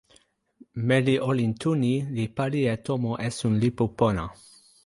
meli olin tu ni li pali e tomo esun lipu pona.